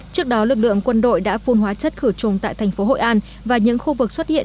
trước đó lực lượng quân đội đã phun hóa chất khử trùng tại thành phố hội an và những khu vực xuất hiện